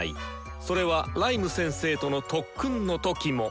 それはライム先生との特訓の時も。